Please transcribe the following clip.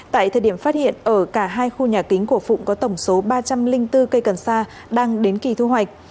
tại thời điểm phát hiện ở cả hai khu nhà kính của phụng có tổng số ba trăm linh bốn cây cần sa đang đến kỳ thu hoạch